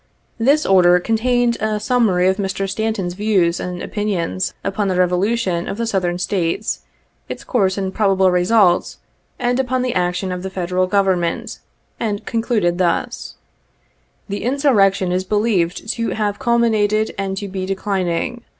This Order contained a summary of Mr. Stanton's views and opinions upon the revolution in the Southern States, its course and probable results, and upon the action of the Federal Government, and concluded thus :'' The insurrection is believed to have culminated and to be declining.